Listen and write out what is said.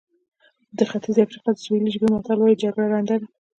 د ختیځې افریقا د سوهیلي ژبې متل وایي جګړه ړنده ده.